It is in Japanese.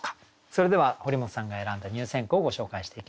それでは堀本さんが選んだ入選句をご紹介していきましょう。